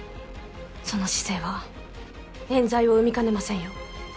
その姿勢は冤罪を生みかねませんよ。